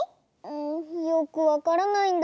んよくわからないんだ。